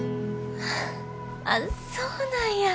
あっそうなんや。